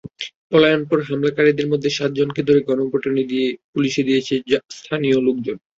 পলায়নপর হামলাকারীদের মধ্যে সাতজনকে ধরে পিটুনি দিয়ে পুলিশে দিয়েছেন স্থানীয় লোকজন।